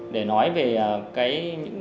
để nói về cái